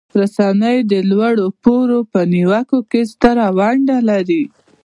رسنۍ د لوړ پوړو په نیوکو کې ستره دنده لري.